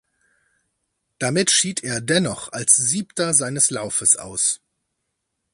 Damit schied er dennoch als Siebter seines Laufes aus.